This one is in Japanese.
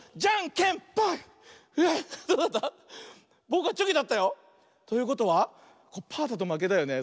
ぼくはチョキだったよ。ということはパーだとまけだよね。